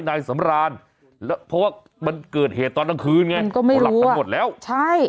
นายสำรานแล้วเพราะว่ามันเกิดเหตุตอนกลางคืนไงก็ไม่รู้หลับกันหมดแล้วใช่